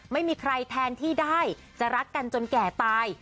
ไม่มีใครแทนที่ได้จะรักกันจนแก่ตาย